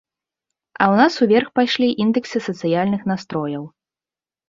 А ў нас уверх пайшлі індэксы сацыяльных настрояў.